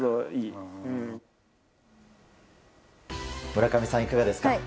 村上さん、いかがですか？